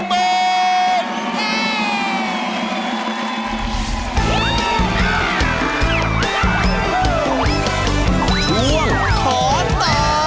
ขอตอบ